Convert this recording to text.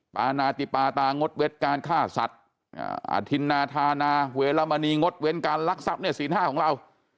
ปานาติปาตางดเว็ดการฆ่าสัตว์อธินนาธานาเวรมณีงดเว้นการลักทรัพย์เนี่ยศีล๕ของเรา